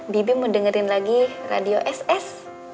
bibi mau dengerin lagi radio ss